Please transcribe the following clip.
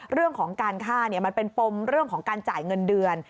เรื่องของการฆ่ามันเป็นปมเรื่องของการจ่ายเงินเดือน